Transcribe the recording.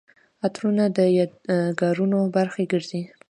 عطرونه د یادګارونو برخه ګرځي.